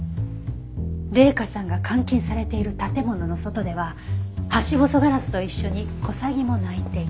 麗華さんが監禁されている建物の外ではハシボソガラスと一緒にコサギも鳴いていた。